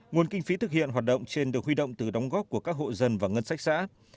nguồn kinh phí thực hiện hoạt động trên được huy động từ đóng góp của các hộ dân và ngân sách xã